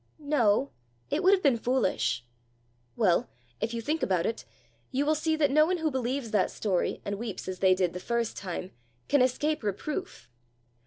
"No; it would have been foolish." "Well, if you think about it, you will see that no one who believes that story, and weeps as they did the first time, can escape reproof.